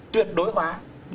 tuyệt đối hóa